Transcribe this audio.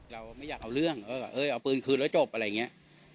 เราไม่อยากเอาเรื่องเออเอาปืนคืนแล้วจบอะไรอย่างนี้